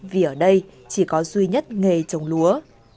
vì ở đây chỉ có duy nhất nghề trồng lúa